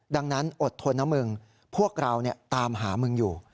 ดังนั้นอดทนนะมึงพวกเราตามหามึงอยู่